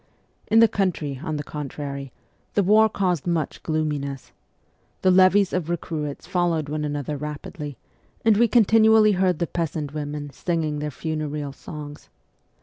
In the country, on the contrary, the war caused much gloominess. The levies of recruits followed one another rapidly, and we continually heard the peasant women singing their funereal songs.